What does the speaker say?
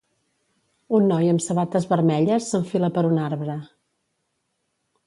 Un noi amb sabates vermelles s'enfila per un arbre.